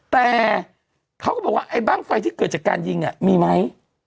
แต่เขาก็บอกว่าไอ้บ้างไฟที่เกิดจากการยิงมีไหม